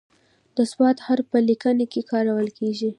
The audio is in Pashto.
د "ص" حرف په لیکنه کې کارول کیږي.